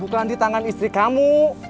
bukan di tangan istri kamu